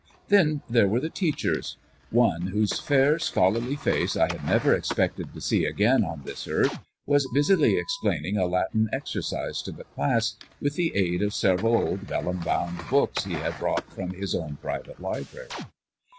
Then there were the teachers. One, whose fair, scholarly face I had never expected to see again on this earth, was busily explaining a Latin exercise to the class, with the aid of several old vellum bound books he had brought from his own private library.